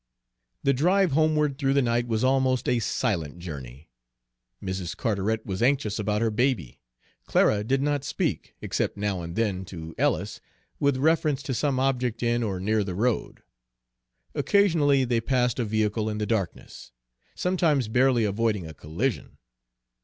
The drive homeward through the night was almost a silent journey. Mrs. Carteret was anxious about her baby. Clara did not speak, except now and then to Ellis with reference to some object in or near the road. Occasionally they passed a vehicle in the darkness, sometimes barely avoiding a collision.